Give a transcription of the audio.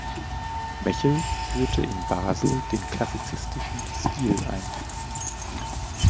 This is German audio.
Mechel führte in Basel den klassizistischen Stil ein.